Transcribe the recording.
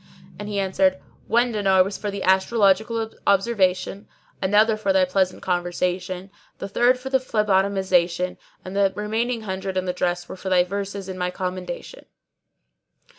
and he answered, 'One dinar was for the astrological observation, another for thy pleasant conversation, the third for the phlebotomisation, and the remaining hundred and the dress were for thy verses in my commendation.'"